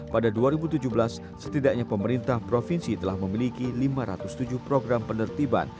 pada dua ribu tujuh belas setidaknya pemerintah provinsi telah memiliki lima ratus tujuh program penertiban